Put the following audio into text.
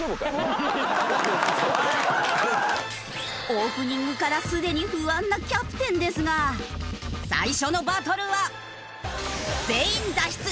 オープニングからすでに不安なキャプテンですが最初のバトルは。